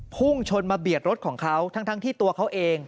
พุ่งชนมาเบียดรถของเขาทั้งที่ตัวเขาเอง